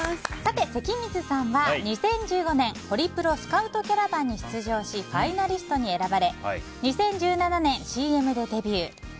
関水さんは２０１５年ホリプロスカウトキャラバンに出場しファイナリストに選ばれ２０１７年、ＣＭでデビュー。